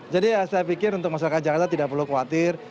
jadi saya pikir untuk masyarakat jakarta tidak perlu khawatir